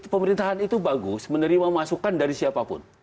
pemerintahan itu bagus menerima masukan dari siapapun